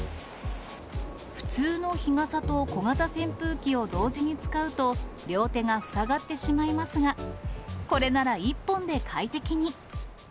普通の日傘と小型扇風機を同時に使うと、両手が塞がってしまいますが、これなら１本で快適に。